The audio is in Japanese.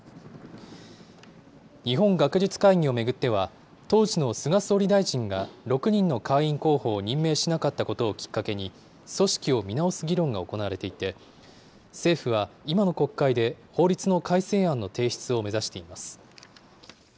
日本学術会議を巡っては、当時の菅総理大臣が６人の会員候補を任命しなかったことをきっかけに組織を見直す議論が行われていて、政府は今の国会で法律の改正案の提出を目指しています。